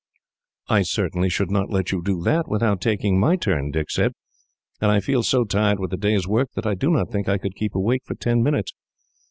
"I certainly should not let you do that, without taking my turn," Dick said; "and I feel so tired with the day's work, that I do not think I could keep awake for ten minutes.